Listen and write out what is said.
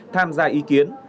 tham gia ý kiến